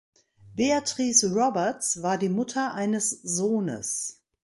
Beatrice Roberts war die Mutter eines Sohnes.